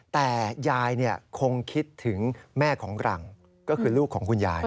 แต่ยายคงคิดถึงแม่ของหลังก็คือลูกของคุณยาย